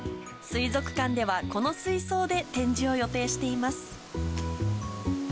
水族館では、この水槽で展示を予定しています。